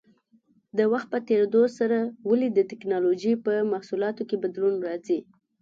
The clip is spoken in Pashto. د وخت په تېرېدو سره ولې د ټېکنالوجۍ په محصولاتو کې بدلون راځي؟